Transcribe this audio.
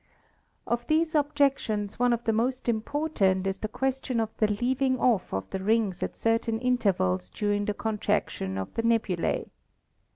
Of these objections one of the most important is the question of the leaving off of the rings at certain intervals during the contraction of the nebulae.